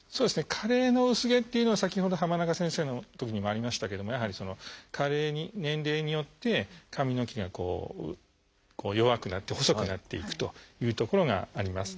加齢の薄毛っていうのは先ほど浜中先生のときにもありましたけどもやはり加齢に年齢によって髪の毛が弱くなって細くなっていくというところがあります。